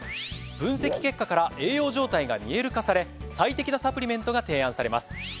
分析結果から栄養状態が見える化され最適なサプリメントが提案されます。